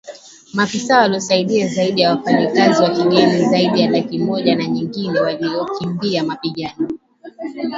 maafisa waliosaidia zaidi wafanyikazi wa kigeni zaidi ya laki moja na nyingine waliokimbia mapigano